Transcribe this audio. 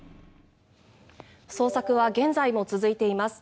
捜索は現在も続いています。